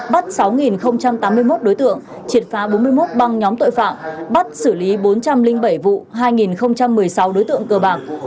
bắt sáu tám mươi một đối tượng triệt phá bốn mươi một băng nhóm tội phạm bắt xử lý bốn trăm linh bảy vụ hai một mươi sáu đối tượng cờ bạc